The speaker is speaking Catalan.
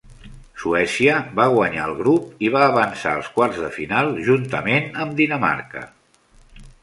Suècia va guanyar el grup i va avançar als quarts de final juntament amb Dinamarca.